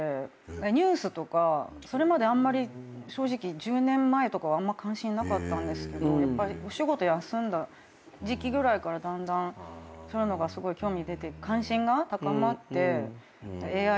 ニュースとかそれまであんまり正直１０年前とかは関心なかったんですけどお仕事休んだ時期ぐらいからだんだんそういうのがすごい興味出て関心が高まって。